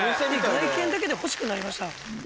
外見だけで欲しくなりました。